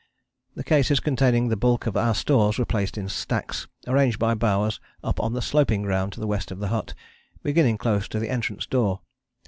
The cases containing the bulk of our stores were placed in stacks arranged by Bowers up on the sloping ground to the west of the hut, beginning close to the entrance door.